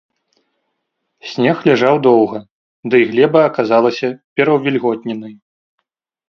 Снег ляжаў доўга, дый глеба аказалася пераўвільготненай.